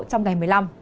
trong ngày một mươi năm